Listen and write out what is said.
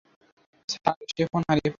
Sir, সে phone হারিয়ে ফেলেছে।